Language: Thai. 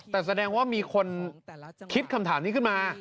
แต่แสดงว่ามีคนคิดคำถามนี้ขึ้นมา